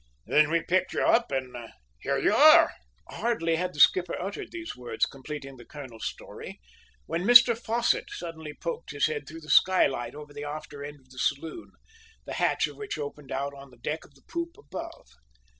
Then we picked you up, and here you are!" Hardly had the skipper uttered these words, completing the colonel's story, when Mr Fosset suddenly poked his head through the skylight over the after end of the saloon, the hatch of which opened out on the deck of the poop above.